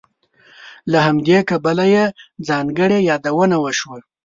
له همدې کبله یې ځانګړې یادونه وشوه.